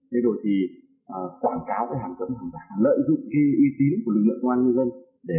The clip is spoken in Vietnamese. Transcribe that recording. thế rồi thì quảng cáo hàm cẩm hàm giảm lợi dụng cái uy tín của lực lượng công an nhân dân